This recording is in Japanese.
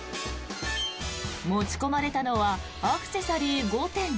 持ち込まれたのはアクセサリー５点。